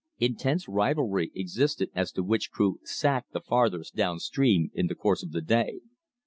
Intense rivalry existed as to which crew "sacked" the farthest down stream in the course of the day.